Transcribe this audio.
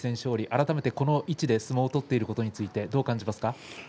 改めてこの位置で相撲を取っていることについてどう感じますか。